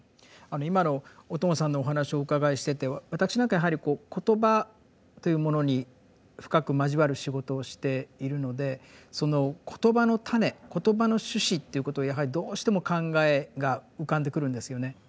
あの今の小友さんのお話をお伺いしてて私なんかはやはり言葉というものに深く交わる仕事をしているのでその「言葉の種」「言葉の種子」っていうことをやはりどうしても考えが浮かんでくるんですよね。